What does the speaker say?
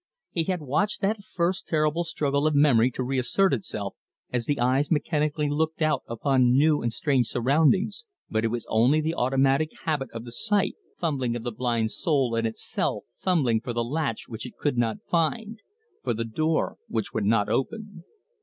He had watched that first terrible struggle of memory to reassert itself, as the eyes mechanically looked out upon new and strange surroundings, but it was only the automatic habit of the sight, the fumbling of the blind soul in its cell fumbling for the latch which it could not find, for the door which would not open.